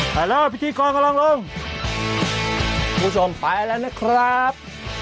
ไปแล้วพิธีกรกำลังลงผู้ส่งไปแล้วนะครับ